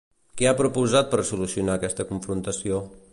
Què ha proposat per solucionar aquesta confrontació?